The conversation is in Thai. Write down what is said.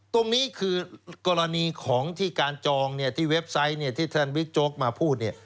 ตรงนี้คือกรณีของที่การจองที่เว็บไซต์ที่ท่านบิ๊กโจ๊กมาพูดเนี่ย